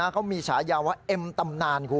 เขามีฉายาว่าเอ็มตำนานคุณ